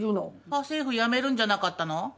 家政夫辞めるんじゃなかったの？